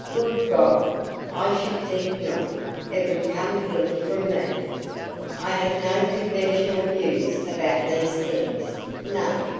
Good God, I should think not! it would come ill from me. I have no conventional views about these things none.